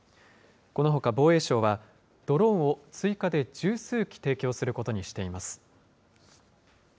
このほか、防衛省は、ドローンを追加で十数機提供することにしています。